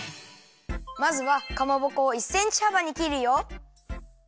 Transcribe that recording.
まずはかまぼこを１センチはばにきるよ！